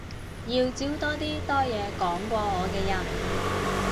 要招多啲多嘢講過我嘅人